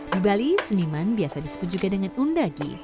di bali seniman biasa disebut juga dengan undagi